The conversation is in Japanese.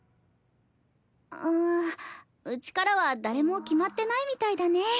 うんうちからは誰も決まってないみたいだね。